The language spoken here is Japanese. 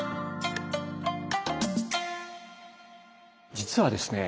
実はですね